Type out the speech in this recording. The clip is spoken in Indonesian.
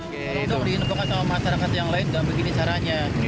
kalau dihidupkan sama masyarakat yang lain tidak begini caranya